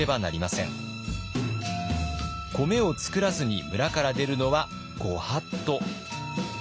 米を作らずに村から出るのは御法度。